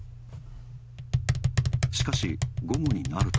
しかし、午後になると。